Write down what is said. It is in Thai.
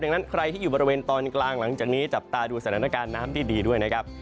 ดังนั้นใครที่อยู่บริเวณตอนกลางหลังจากนี้จับตาดูสถานการณ์น้ำที่ดีด้วยนะครับ